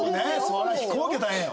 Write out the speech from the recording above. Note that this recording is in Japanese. そりゃ飛行機は大変よ。